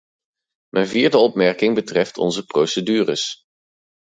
Mijn vierde opmerking betreft onze procedures.